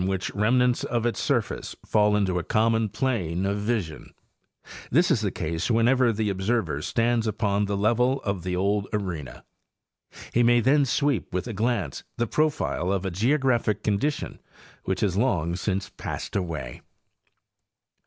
which remnants of its surface fall into a common plane of vision. This is the case whenever the observer stands upon the level of the old arena. He may then sweep with a glance the profile of a geographic condition which has long since passed away.